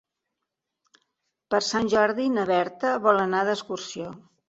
Per Sant Jordi na Berta vol anar d'excursió.